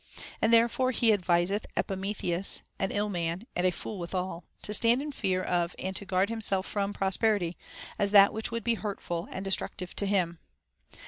And therefore he adviseth Epimetheus (an ill man, and a fool withal) to stand in fear of and to guard himself from prosperity, as that which would be hurtful and destructive to him.